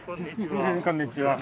こんにちは。